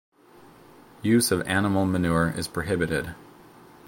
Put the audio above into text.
Use of animal manure is prohibited.